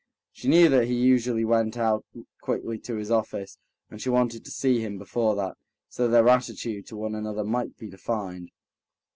She knew that he usually went out quickly to his office, and she wanted to see him before that, so that their attitude to one another might be defined.